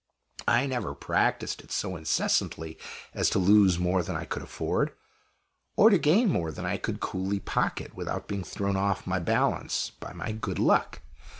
I never practiced it so incessantly as to lose more than I could afford, or to gain more than I could coolly pocket without being thrown off my balance by my good luck.